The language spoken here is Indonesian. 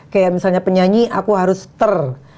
kayak misalnya penyanyi aku harus ter